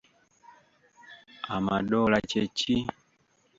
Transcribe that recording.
Amadoola kye ki?